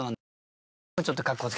でもちょっとかっこつけ。